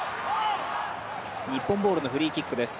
日本ボールのフリーキックです。